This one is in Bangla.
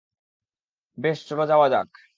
বেশ, চলো যাওয়া যাক।